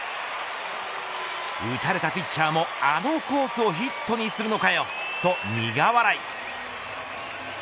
打たれたピッチャーもあのコースをヒットにするのかよと苦笑い。